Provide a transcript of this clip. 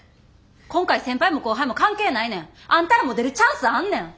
今回先輩も後輩も関係ないねん。あんたらも出るチャンスあんねん！